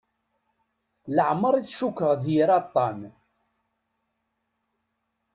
Leɛmer i t-cukkeɣ d yir aṭṭan.